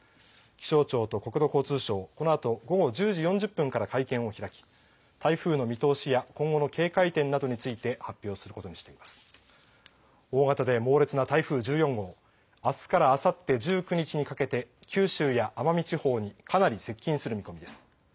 気象庁と国土交通省、このあと午後１０時４０分から会見を開き、台風の見通しや今後の警戒点などについて発表することにしています。大型で猛烈な台風１４号はあすからあさって１９日にかけて九州や奄美地方にかなり接近する見込みです。